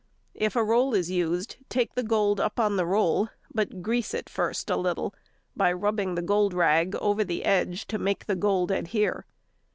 If a roll is used, take the gold up on the roll, but grease it first a little, by rubbing the gold rag over the edge to make the gold adhere.